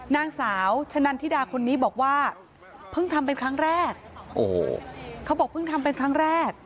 นางสาวชะนันทิดาคนนี้บอกว่าเพิ่งทำเป็นครั้งแรกโอ้โหเขาบอกเพิ่งทำเป็นครั้งแรก